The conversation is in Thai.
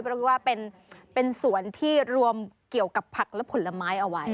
เพราะว่าเป็นสวนที่รวมเกี่ยวกับผักและผลไม้เอาไว้